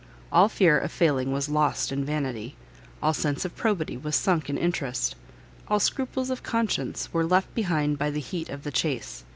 All fear of failing was lost in vanity, all sense of probity was sunk in interest, all scruples of conscience were left behind by the heat of the chace.